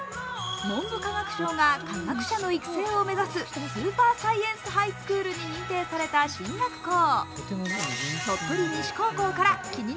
文部科学省が科学者の育成を目指すスーパーサイエンスハイスクールに認定された進学校。